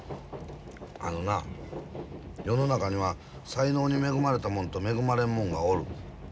あのな世の中には才能に恵まれたもんと恵まれんもんがおる。